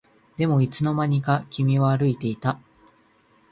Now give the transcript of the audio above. でもいつの間にか君は歩いていた